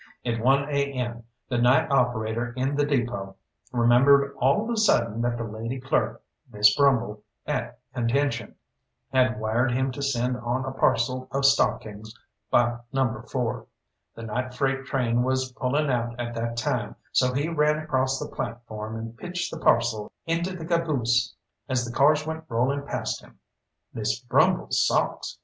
At one a. m. the night operator in the depôt remembered all of a sudden that the lady clerk, Miss Brumble, at Contention, had wired him to send on a parcel of stockings by Number 4. The night freight train was pulling out at the time, so he ran across the platform and pitched the parcel into the caboose as the cars went rolling past him. "Miss Brumble's socks!"